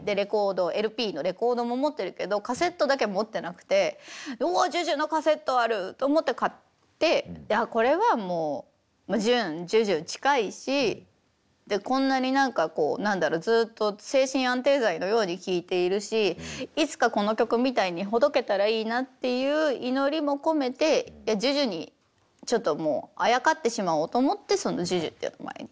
ＬＰのレコードも持ってるけどカセットだけは持ってなくて「うお『ＪＵＪＵ』のカセットある」と思って買ってこれはもうジュンＪＵＪＵ近いしこんなに何かこう何だろうずっと精神安定剤のように聴いているしいつかこの曲みたいにほどけたらいいなっていう祈りも込めてＪＵＪＵにちょっともうあやかってしまおうと思ってそのＪＵＪＵっていう名前に。